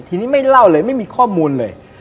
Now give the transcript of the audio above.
ทีนี้ไม่เล่าเลยไม่มีข้อมูลเลย